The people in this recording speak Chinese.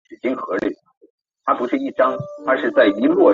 单花忍冬为忍冬科忍冬属的植物。